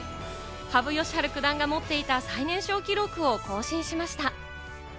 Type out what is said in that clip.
羽生善治九段が持っていた最年少記録を更新しました。